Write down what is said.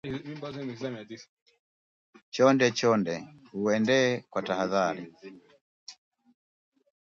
Chondechonde uuendee kwa tahadhari